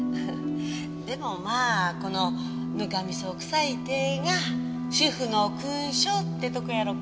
でもまあこのぬかみそくさい手が主婦の勲章ってとこやろか。